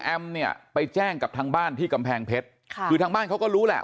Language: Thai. เนี่ยไปแจ้งกับทางบ้านที่กำแพงเพชรค่ะคือทางบ้านเขาก็รู้แหละ